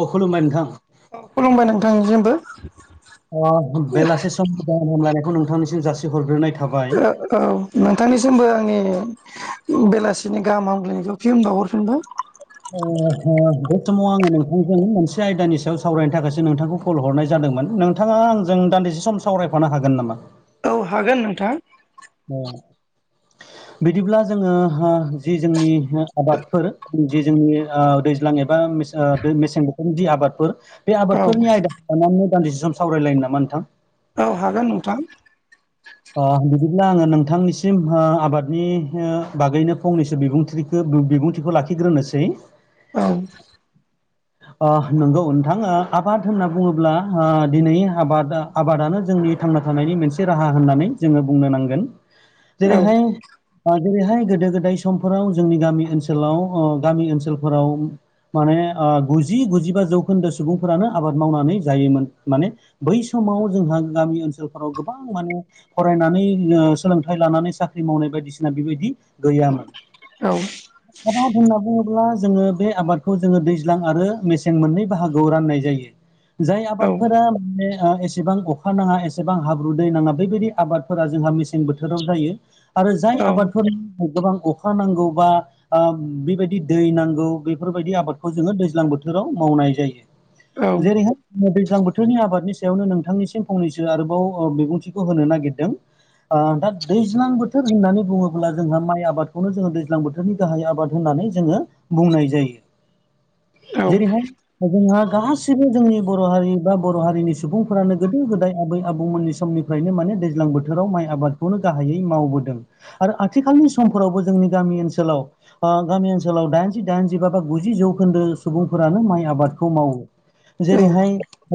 औ खुलुमबाय नोंथां। खुलुमबाय नोंथांनि जेबो ओ बेलासे सम गोदान हामलायनायखौ नोंथांनिसिम जासि हरग्रोनाय थाबाय। औ नोंथांनिसिमबो आंनि बेलासिनि गाहाम हामगलायनायखौ फिनबावाहरफिनबाय। अ ह बे समाव आङो नोंथांजों मोनसे आयदानि सायाव सावरायनो थाखायसो नोंथांखौ। कल हरनाय जादोंमोन नोंथाङा आंजों दान्दिसे सम सावरायफानो हागोन नामा? औ हागोन नोंथां। अ बिदिब्ला जोङो जि जोंनि आबादफोर जि जोंनि दैज्लां एबा मेसें बोथोरनि जि आबादफोर बे औ आबादफोरनि आयदा दाना मोजां दान्दिसे सावरायलाय नो नामा नोंथां? औ हागोन नोंथां। बिदिब्ला आङो नोंथांनिसिम आबादनि बागैनो फंनैसो बिबुंथि [inaudible] बे बिबुंथिखौ लाखिग्रोनोसै औ। [inaudible] नंगौ नोंथाङा आबाद होनना बुङोब्ला दिनै आबादा [unintelligible] आबादानो जोंनि थांना थानायनि मोनसे राहा होननानै जोङो बुंनो नांगोन औ औ जेरैहाय जेरैहाय गोदो गोदाय समफोराव जोंनि गामि ओनसोलाव अ गामि ओनसोलफोराव माने ओ गुजि गुजिबा जौखोन्दो सुबुंफोरानो आबाद मावनानै जायोमोन माने बै समाव जोंहा गामि ओनसोलफोराव गोबां माने फरायनानै सोलोंथाइ लानानै साख्रि मावनाय बायदिसिना बेबायदि गैयामोन। औ आबाद होनना बुङोब्ला जोङो बे आबादखौ जोङो दैज्लां आरो मेसें मोननै बाहागोआव राननाय जायो। जाय आबादफोरा माने एसेबां अखा नाङा एसेबां हाब्रु दै नाङा बेबायदि आबादफोरा जोंहा मेसें बोथोराव जायो आरो जाय आबादफोरनि गोबां अखा अखा नांगौबा बेबायदि दै नांगौ बेफोरबायदि आबादखौ जोङो दैज्लां बोथोराव मावनाय जायो। जेरैहाय दै्लां बोथोरनि आबादनि सायावनो नोंथांनिसिम फंनैसो आरोबाव बिबुंथि होनो नागिरदों। ओ दा दैज्लां बोथोर होननानै बुङोब्ला जोंहा माइ आबादखौनो जोङो दैज्लां बोथोर बोथोरनि गाहाय आबाद होननानै जोङो बुंनाय जायो जेरैहाय जोंहा गासिबो जोंनि बर' हारि बा बर' हारिनि सुबुंफोरानो गोदो गोदाय आबै आबौमोननि समनि फ्रायनो माने दैज्लां बोथोराव माइ आबादखौनो गाहायै मावबोदों। आरो आथिखालनि समफोरावबो जोंनि गामि ओनसोलाव गामि ओनसोलाव दाइनजि दाइनजिबा बा गुजि जौखोन्दो सुबुंफोरानो माइ आबादखौ मावो। जेरैहाय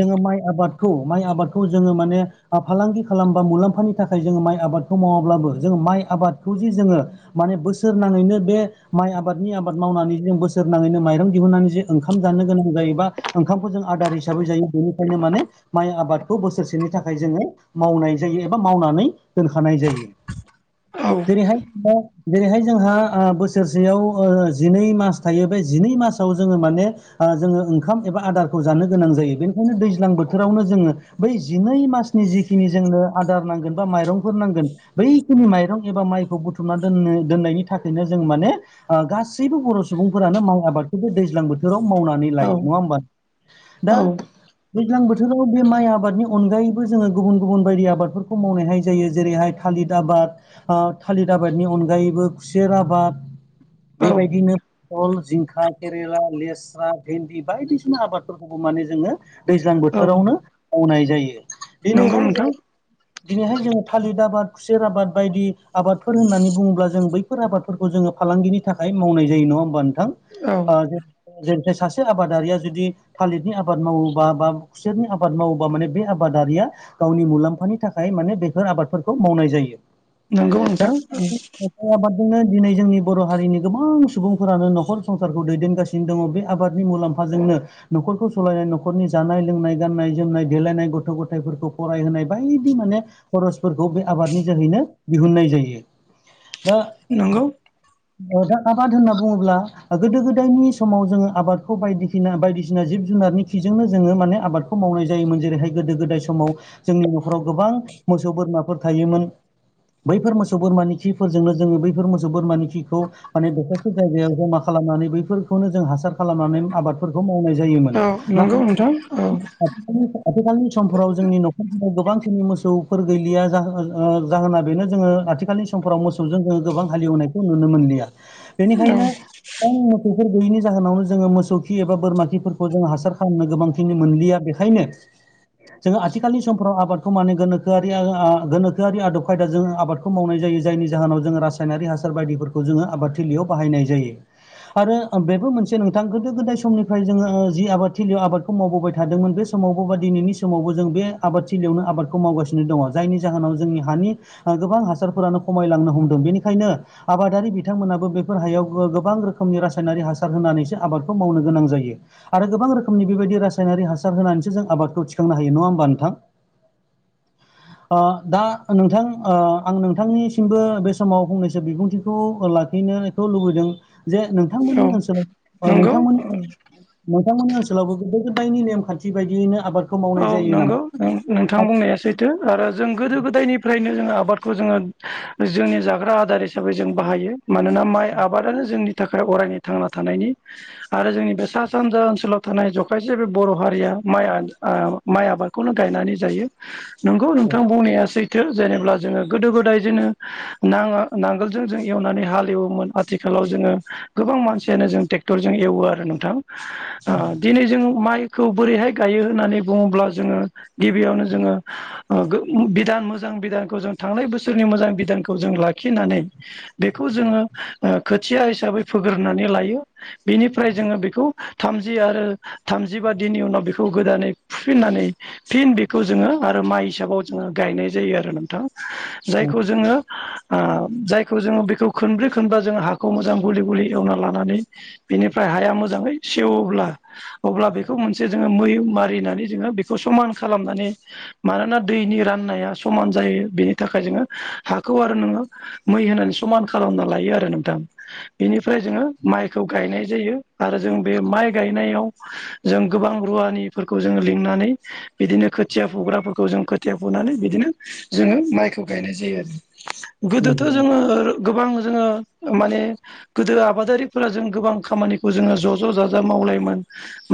जोङो माइ आबादखौ माइ आबादखौ जोङो माने फालांगि खालामबा मुलाम्फानि थाखाय जोङो माइ आबादखौ मावाब्लाबो जों माइ आबादखौ जे जोङो माने बोसोर नाङैनो बे माइ आबादनि आबाद मावनानै जों बोसोर नाङैनो माइरं दिहुननानै जे ओंखाम जानो गोनां जायोबा ओंखामखौ जों आदार हिसाबै जायो बेनिखायनो माने माइ आबादखौ बोसोरसेनि थाखाय जोङो मावनाय जायो एबा मावनानै दोनखानाय जायो जेरैहाय जेरैहाय जोंहा बोसोरसेयाव जिनै मास थायो बे जिनै मासाव जोङो माने जोङो ओंखाम एबा आदारखौ जानो गोनां जायो बेनिखायनो दैज्लां बोथोरावनो जोङो बै जिनै मासनि जिखि खिनि जोंनो आदार नांगोन बा माइरंफोर नांगोन। बैखिनि माइरं एबा माइखौ बुथुमना दोननो दोननायनि थाखायनो जों माने गासैबो बर' सुबुंफोरानो माइ आबादखौबो दैज्लां बोथोराव मावनानै नङा ह दा औ दैज्लां बोथोराव बे माइ आबादनि अनगायैबो जोङो गुबुन गुबुन बायदि आबादफोरखौ मावनायहाय जायो जेरैहाय थालिर आबाद। ओ थालिर आबादनि अनगायैबो खुसेर आबाद औ बेबायदिनो बहल जिंखा केरेला लेस्रा भेन्दि बायदिसिना आबादफोरखौबो माने जोङो दैज्लां बोथोरावनो मावनाय जायो नंगौ दिनैहाय नोंथां जों दिनैहाय जोङो थालिर आबाद खुसेर आबाद बायदि आबादफोर होननानै बुङोब्ला जों बै बेफोर आबादफोरखौ जोङो फालांगिनि थाखाय मावनाय जायो नङा होमबा नोंथां। औ जेरैहाय सासे आबादारिया जुदि थालिरनि आबाद मावोबा बा खुसेरनि आबाद मावोबा माने बे आबादारिया गावनि मुलाम्फानि थाखाय माने बेफोर आबादफोरखौ मावनाय जायो। नंगौ नोंथां औ। माइ आबादजोंनो दिनै जोंनि बर' हारिनि गोबां सुबुंफोरानो नखर संसारखौ दैदेनगासिनो दिन दङ बे आबादनि मुलाम्फाजोंनो न'खरखौ सलायनाय न'खरनि जानाय लोंनाय गाननाय जोमनाय देलायनाय गथ' गथायफोरखौ फरायहोनाय बायदि माने खरसफोरखौ बे आबादनि जोहैनो दिहुननाय जायो। दा नंगौ दा आबाद होनना बुङोब्ला गोदो गोदायनि समाव जोङो आबादखौ बायदि सिना बायदिसिना जिब जुनारनि खिजोंनो जोङो माने आबादखौ मावनाय जायोमोन जेरैहाय गोदो गोदाय समाव जोंनि न'खराव गोबां मोसौ बोरमाफोर थायोमोन। बैफोर मोसौ बोरमानि खिफोरजोंनो जोङो बैफोर मोसौ बोरमानि खिखौ माने दखरसे जायगायाव जमा खालामनानै बैफोरखौनो जों हासार खालामनानै आबाद फोरखौ मावनाय जायोमोन औ नंगौ नोंथां औ नाथाय आथिखालनि समफोराव जोंनि नखर गोबांखिनि मोसौफोर गैलिया जाहोना बेनो जोङो आथिखालनि समफोराव मोसौजों जोङो गोबां हालेवनायखौ नुनो मोनलिया औ बेनिखायनो गोबां मोसौफोर गैयिनि जाहोनावनो जोङो मोसौ खि एबा बोरमा खिफोरखौ जोंङो हासार खालामनो गोबांखिनि मोनलिया बे बेखायनो जोङो आथि आथिखालनि समफ्राव आबादखौ मानो गोनोखोआरि आदब खायदा जोंङो आबादखौ मावनाय जायो जायनि जाहोनाव जोंङो रासाय रासायनारि हासार बायदिफोरखौ जोङो आबाद थिलियाव बाहायनाय जायो। आरो बेबो मोनसे नोंथां गोदो गोदाय समनिफ्राय जोङो जि आबाद थिलियाव आबाद मावबोबाय थादोंमोन बे समावबो बा दिनैनि समावबो जों बे आबाद थिलिआवनो आबादखौ मावगासिनो दङ जायनि जाहोनाव जोंनि हानि गोबां हासारफोरानो खमायलांनो हमदों बेनिखायनो आबादारि बिथांमोनाबो बेफोर हायाव गोबां रोखोमनि रासायनारि हासार होनानैसो आबादखौ मावनो गोनां जायो। आरो गोबां रोखोमनि बेबायदि रासायनारिक हासार होनानैसो जों आबादखौ थिखांनो हायो नङा होमबा? नोंथां। दा नोंथां आं नोंथांनिसिमबो बे समाव फंनैसो बिबुंथिखौ लाखिनो खौ लुबैदों जे औ नोंथांमोननि ओनसोलाव नंगौ नोंथांमोननि औ नोंथांमोननि ओनसोलावबो गोदो गोदायनि नेमखान्थि बायदियैनो आबादखौ मावनाय औ जायो नंगौ नामा। नोंथां बुंनाया सैथो आरो जों गोदो गोदायनिफ्राय। नो जों आबादखौ जोङो जोंनि जाग्रा आदार हिसाबै जों बाहायो मानोना माइ आबादानो जोंनि नि थाखाय अरायनि थांना थानायनि आरो जोंनि बे सा सानजा ओनसोलाव थानाय जखायसे बे बर' हारिया माइ माइ आबादखौनो गायनानै जायो नोंगौ औ नोंथां बुंनाया सैथो। जेनेबब्ला जोङो गोदो गोदाय जोनो नाङा नांगोलजों जों एवनानै हालेवोमोन। आथिखालाव जोङो गोबां मानसियानो जों ट्रेक्टरजों एवो आरो नोंथां। [inaudible] दिनै जों माइखौ बोरैहाय गायो होननानै बुङोब्ला जोङो गिबियावनो जोङो बिधान मोजां बिधानखौ जों थांनाय बोसोरनि मोजां बिधानखौ जों लाखिनानै बेखौ जोङो खोथिया हिसाबै फोग्रोनानै लायो। बेनिफ्राय जोङो बेखौ थामजि आरो थामजिबा दिननि उनाव बेखौ। गोदानै फुफिननानै फिन बेखौ जोङो आरो माइ हिसाबाव जोङो गायनाय जायो आरो नोंथां। जायखौ जोङो। जायखौ जोङो बेखौ खनब्रै खनबा जोङो हाखौ मोजां गलि गुलि एवना लानानै बेनिफ्राय हाया मोजाङै सेवोब्ला अब्ला बेखौ मोनसे जोङो मै मारिनानै जोङो बेखौ समान खालामनानै मानोना दैनि राननाया समान जायो बेनि थाखाय जोङो हाखौ आरो नोङो मै होनानै समान खालामना लायो आरो नोंथां। बेनिफ्राय जोङो माइखौ गायनाय जायो आरो जों बे माइ गायनायाव जों गोबां रुवानिफोरखौ जोङो लिंनानै बिदिनो खोथिया फुग्राफोरखौ जों खोथिया फुनानै बिदिनो जोङो माइखौ गायनाय जायो आरो। गोदोथ' नंगौ जोङो गोबां जोङो माने गोदो आबादारिफोरा जों गोबां खामानिखौ जोङो ज' ज' जाजा मावलायोमोन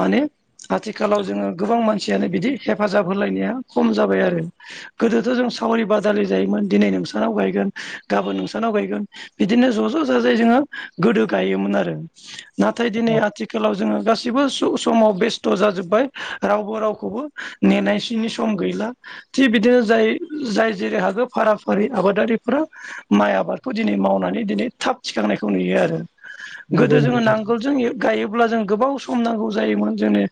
माने आथिखालाव जोङो गोबां मानसियानो बिदि हेफाजाब होलायनाया खम जाबाय आरो। गोदोथ' जों सावरि बादालि जायोमोन दिनै नोंसानाव गायगोन गाबोन नोंसानाव गायगोन। बिदिनो ज' ज' जाजायै जोङो गोदो गायोमोन आरो। नाथाय दिनै आथिखालाव जोङो गासिबो समाव बेस्थ' जाजोब रावबो रावखौबो नेनायसनि सम गैला। थिग बिदिनो जाय जाय जेरै हागो फारा फारि आबादारिफोरा माइ आबादखौ दिनै मावनानै दिनै थाब थिखांनायखौ नुयो आरो। नंगौ गोदो जोङो नांगोलजों गायोब्ला जों गोबाव सम नांगौ जायोमोन जोंनो।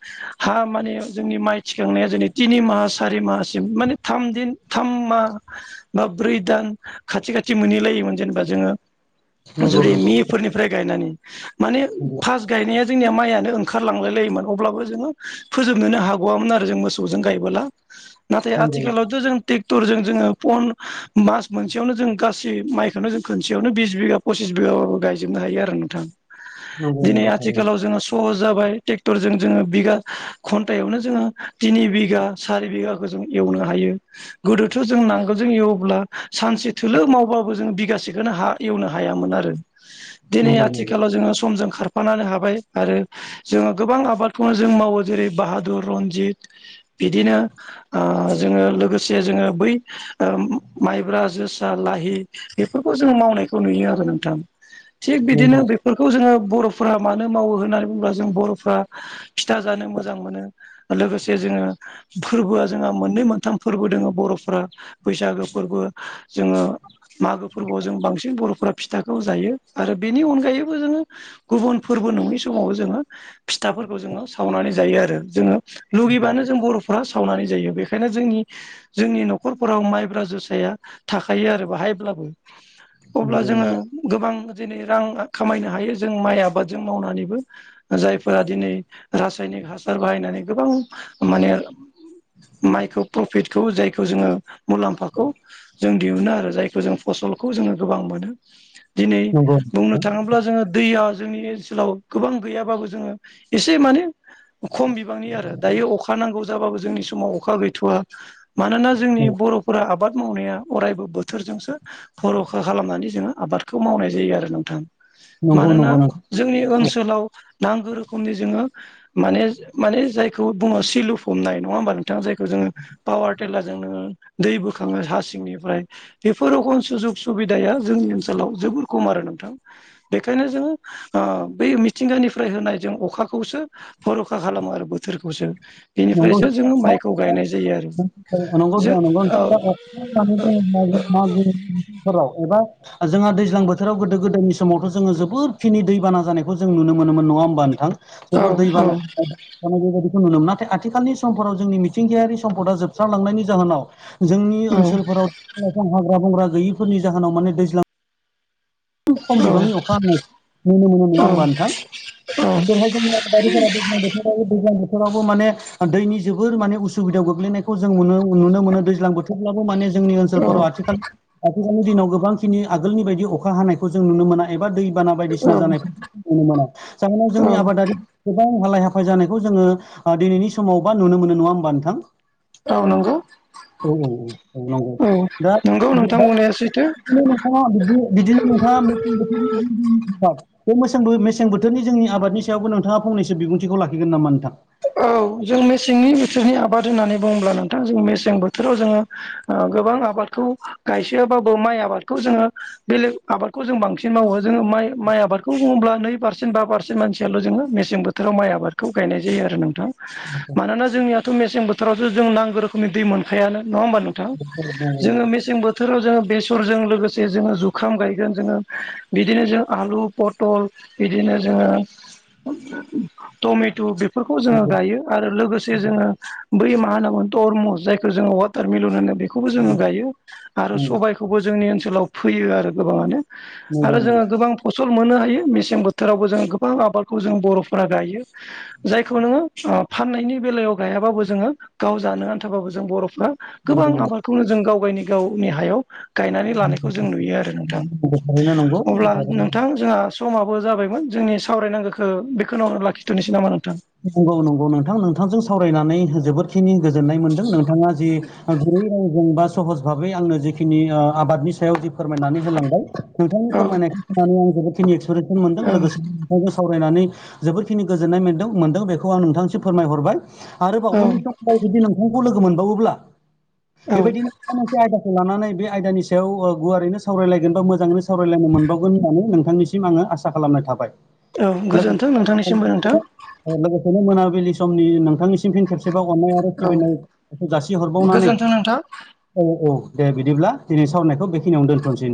हा माने जोंनि माइ थिखांनाया जोंनि थिनि माह सारि माहसिम माने थाम दिन थाम माह बा ब्रै दान खाथि खाथि मोनहैलायोमोन जेनेबा जोङो नंगौ जुरै नंगौ मे फोरनिफ्राय गायनानै माने फास गायनाया जोंनिआ माइआनो ओंखारलांलाय लायोमोन अब्लाबो जोङो फोजोबनोनो हागवामोन आरो जों मोसौजों गायबोला नाथाय आथिखालावथ' जों ट्रेक्टरजों जोङो फन मास मोनसेआवनो जों गासै माइखौनो जों खनसेआवनो बिस बिघा पसिस बिगाबाबो गायजोबनो हायो आरो नोंथां नंगौ नंगौ दिनै थारैनो आथिखालाव जोङो स सहज जाबाय ट्रेक्टरजों जोङो बिघा घन्टायावनो जोङो थिनि बिघा सारि बिघाखौ जों एवनो हायो गोदोथ' जों नांगोलजों एवोब्ला सानसे थोलो मावबाबो जों बिगासेखौनो हा एवनो हायामोन आरो नंगौ दिनै नंगौ आथिखालाव जोङो समजों खार खारलांनो हाबाय आरो जोङो गोबां आबादखौनो जों मावो जेरै बाहादुर रनजित बिदिनो ओ जोङो लोगोसे जोङो बै ओ माइब्रा जोसा लाहि बेफोरखौ जोङो मावनायखौ नुयो आरो नोंथां थिग बिदिनो बेफोरखौ जोङो बर'फोरा मानो मावो होननानै बुङोब्ला जों बर'फ्रा फिथा जानो मोजां मोनो लोगोसे जोङो फोरबोआ जोंहा मोननै मोनथाम फोरबो दोङो बर'फोरा बैसागो फोरबो जोङो मागो फोरबोआव जों बांसिन बर'फोरा फिथाखौ जायो आरो बेनि अनगायैबो जोङो गुबुन फोरबो नङि समाव जोङो फिथाफोरखौ जोङो साव सावनानै जायो आरो जोङो लुगैबानो जों बर'फ्रा सावनानै जायो बेखायनो जोंनि जोंनि न'खरफोराव माइब्रा जोसाया थाखायो आरो बाहायब्लाबो अब्ला जोङो गोबां दिनै रां खामायनो हायो जों माइ आबाद जों मावनानैबो जायफोरा दिनै रासायनिक हासार बाहायनानै गोबां माने माइखौ प्रफिटखौ जायखौ जोङो मुलाम्फाखौ जों दिहुनो आरो जायखौ जों फसलखौ जोङो गोबां मोनो दिनै बुंनो थाङोब्ला जोङो दैया जोंनि ओनसोलाव गोबां गैयाबाबो जोङो इसि एसे माने खम बिबांनि आरो दायो अखा नांगौ जाबाबो जोंनि समाव अखा गैथ'वा मानोना जोंनि बर' फोरा आबाद मावनाया अरायबो बोथोरजोंसो भर'खा खालामनानै जोङो आबादखौ मावनाय जायो आरो नोंथां मानोना नंगौ जोंनि ओनसोलाव नांगौ रोखोमनि जोङो माने माने जायखौ बुङो सिलुफबनाय नङा होमबा नोंथां जायखौ जोङो पावार टिलारजों नोङो दै बोखाङो हा सिंनिफ्राय बेफोर रखोम सुजुग सुबिदाया जोंनि ओनसोलाव जोबोर खम आरो नोंथां बेखायनो जोङो ओ बै मिथिंगानिफ्राय होनाय जों अखा खौसो भर'खा खालामो आरो बोथोरखौसो [inaudible] [unintelligible] बेनिफ्रायसो जोङो माइखौ गायनाय जायो आरो जोंहा जों ओ दैज्लां बोथोराव गोदो गोदायनि समावथ' जोङो जोबोदखिनि दैबाना जानायखौ जों नुनो मोन नङा होमबा नोंथां औ जोबोर दै बाना जानाय बेबायदिखौ नुनो मोनो नाथाय आ आथिखालनि समफोराव जोंनि मिथिंगायारि सम्पदा जोबस्रांलांनायनि जाहोनाव जोंनि ओनसोलफोराव बिफां लाइफां हाग्रा बंग्रा गैयिफोरनि जाहोनाव माने दैज्लां खम बिबांनि अखा हानाय नुनो मोनो नङा होमबा नोंथां औ बेवहाय जोङो आबादारिफोरा दैज्लां बोथोरावबो दैज्लां बोथोरावबो माने दैनि जोबोर माने उसुबिदायाव गोग्लैनायखौ जों नुनो मोनो दैज्लां बोथोरब्लाबो माने जोंनि ओनसोलफोराव आथिखाल आथिखालनि दिनाव गोबांखिनि आगोलनि बायदि अखा अखा हानायखौ जों नुनो मोना एबा दैबाना औ बायदिसिना औ जानायखौ जों नुनो मोना जाहोनाव जोंनि आबादारि गोबां हालाय हाफाय जानायखौ जोङो ओ दिनैनि समाव बा नुनो मोनो नङा होमबा नोंथां औ नंगौ औ नंगौ औ नंगौ नोंथां बुंनाया सैथो [unintelligible] नोंथाङा बिदि बिदिनो नोंथाङा [unintelligible] बे मेसे मेसें बोथोरनि जोंनि आबादनि सायावबो नोंथाङा फंनैसो बिबुंथिखौ लाखिगोन नामा नोंथां औ जों मेसेंनि बोथोरनि आबाद होननानै बुङोब्ला नोंथां जों मेसें बोथोराव जोङो ओ गोबां आबादखौ गायसोआब्लाबो माइ आबादखौ जोङो बेलेग आबादखौ जों बांसिन मावो जोङो माइ माइ आबादखौ बुङोब्ला नै पारसेन्ट बा पारसेन्ट मानसियाल' जोङो मेसें बो जोरावर माइ आबादखौ गायनाय जायो आरो नोंथां मानोना जोंनियाथ' मेसें बोथोरावसो जों नांगौ रोखोमनि दै मोनखायानो नङा होमबा नों थां जोङो मेसें बो बोथोराव जोङो बेसरजों लोगोसे जोङो जुखाम गायगोन जोङो बिदिनो जों आलु पटल बिदिनो जोङो टमेट' बेफोरखौ जोङो गायो आरो लोगोसे जोङो बै मा होनो मोन टरमुस जायखौ जोङो वाटार मिलन होनो बेखौबो जोङो गायो आरो सबाय खौबो जोंनि ओनसोलाव फैयो आरो गोबाङानो आरो जोङो नंगौ गोबां फसल मोननो हायो मेसें बोथोरावबो जों गोबां आबादखौ जों बर'फोरा गायो जायखौ नोङो फाननायनि बेलायाव गायाबाबो जोङो गाव जानो आन्थाबाबो जों बर'फ्रा गोबां आबादखौनो जों गाव गायनि गावनि हायाव गायनानै लानायखौ जों नुयो आरो नोंथां नंगौ अब्ला थारैनो नंगौ नोंथां जोंहा समाबो जाबायमोन जोंनि सावरायनांगौखौ बेखौनाव लाखिथ'नोसै नामा नोंथां नंगौ नंगौ नोंथां नोंथांजों साव रायनानै जोबोदखिनि गोजोननाय मोनदों नोंथाङा जि गुरै रावजों बा सहज भाबै आंनो जिखिनि आबादनि सायाव जि फोरमायनानै होलांबाय नोंथांनि औ फोरमायनायखौ नोनानै आं जोबोदखिनि एक्सपिरियेस मोनदों औ लोगोसे नोंथांजों सावरायनानै जोबोरखिनि गोजोननाय मोनदों मोनदों बेखौ आं नोंथांसो फोरमायहरबाय आरोबाव औ उननि समफ्राव जुदि नोंथांखौ लोगो मोनबावोब्ला औ बेबायदिनो माबा मोनसे आयदाखौ लानानै बे आयदानि सायाव गुवारैनो सावरायलायगोन बा मोजाङै सावरायलायनो मोनबावगोन होननानै नोंथांनिसिम आङो आसा खालामनाय थाबाय औ गोजोन्थों नोंथांनिसिमबो नोंथां लोगोसेनो लोगोसेनो मोनाबिलि समनि नोंथांनि सिम फिन खेबसेबा अननाय आरो औ सिबिनायखौ जासिहरबावनानै गोजोन्थों नोंथां औ औ दे बिदिब्ला दिनै सावनायखौ बेखिनियावनो दोनथ'नोसै